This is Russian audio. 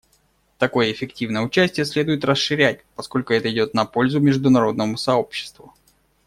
Такое эффективное участие следует расширять, поскольку это идет на пользу международному сообществу.